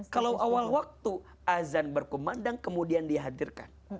kalau awal waktu azan berkumandang kemudian dihadirkan